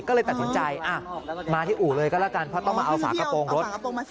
ก็เลยตัดสินใจมาที่อู่เลยก็แล้วกันเพราะต้องมาเอาฝากระโปรงรถ